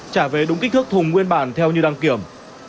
trả về đúng kích thước thùng nguyên bản theo như đăng kiểm